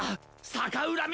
「逆恨み」？